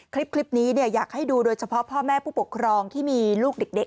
คลิปนี้อยากให้ดูโดยเฉพาะพ่อแม่ผู้ปกครองที่มีลูกเด็ก